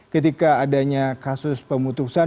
ketika adanya kasus pemutusan